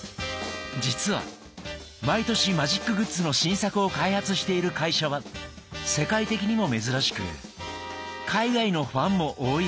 実は毎年マジックグッズの新作を開発している会社は世界的にも珍しく海外のファンも多いそうです。